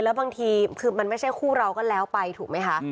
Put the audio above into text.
แล้วบางทีคือมันไม่ใช่คู่เราก็แล้วไปถูกไหมคะ